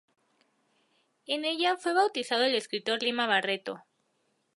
En ella, fue bautizado el escritor Lima Barreto.